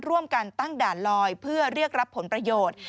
ร่วมกันตั้งด่านลอยเพื่อเรียกรับผลประโยชน์